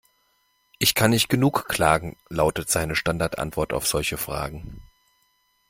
"Ich kann nicht genug klagen", lautet seine Standardantwort auf solche Fragen.